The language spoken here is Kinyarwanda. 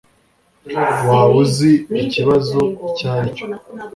Waba uzi ikibazo icyo aricyo